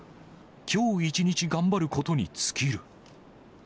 きょう一日頑張ることに尽きる。